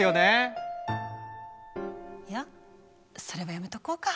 いやそれはやめとこうか。